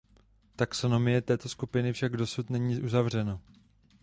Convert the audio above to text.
Taxonomie této skupiny však dosud není uzavřena.